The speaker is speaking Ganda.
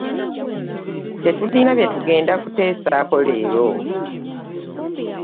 Tetulina bye tugenda kuteesaako leero.